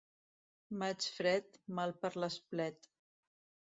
Maig fred, mal per l'esplet.